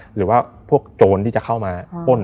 หรือว่าพวกโจรที่จะเข้ามาป้น